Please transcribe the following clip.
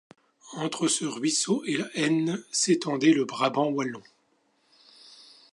Entre ce ruisseau et la Haine s'étendait le Brabant wallon.